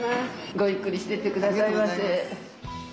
ごゆっくりしていってくださいませ。